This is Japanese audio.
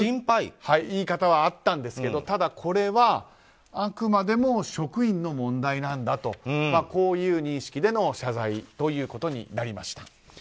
こういう言い方はあったんですがただこれはあくまでも職員の問題なんだという認識での謝罪となりました。